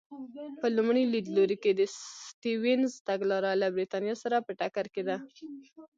په لومړي لیدلوري کې د سټیونز تګلاره له برېټانیا سره په ټکر کې ده.